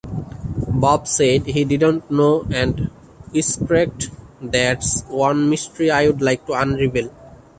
Bob said he didn't know and wisecracked, "That's one mystery I'd like to unravel".